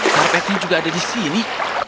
karpetnya juga ada di sini